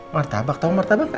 martabak tau martabak gak